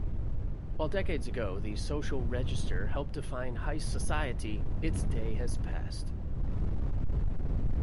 While decades ago the "Social Register" helped define high society, its day has passed.